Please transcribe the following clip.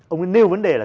ông ấy nêu vấn đề là